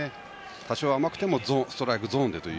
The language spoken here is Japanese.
多少甘くてもストライクゾーンで。